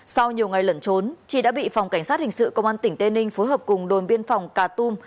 sau nhiều ngày lẩn trốn chi đã bị phòng cảnh sát hình sự công an tỉnh tây ninh phối hợp cùng đồn biên phòng cà tum